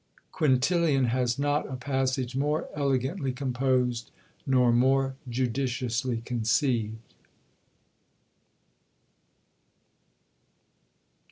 Quintilian has not a passage more elegantly composed, nor more judiciously conceived.